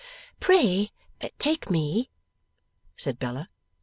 'Pray take me,' said Bella.